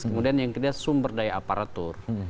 kemudian yang kedua sumber daya aparatur